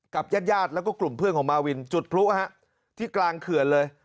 กับญาติญาติแล้วก็กลุ่มเพื่อนของมาวินจุดพลุที่กลางเขื่อนเลย